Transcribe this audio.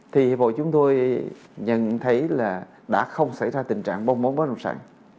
thì bộ chúng tôi nhận thấy là đã không xảy ra tình trạng bông bóng bóng rồng sản